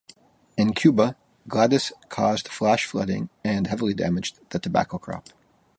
In Cuba, Gladys caused flash flooding and heavily damaged the tobacco crop.